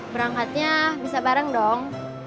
berangkatnya bisa bareng dong